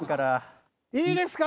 いいですか？